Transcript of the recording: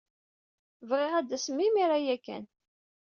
Bɣiɣ ad d-tasemt imir-a ya kan.